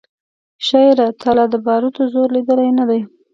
شاعره تا لا د باروتو زور لیدلی نه دی